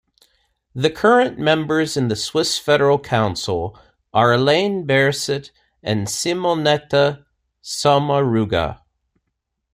The current members in the Swiss Federal Council are: Alain Berset and Simonetta Sommaruga.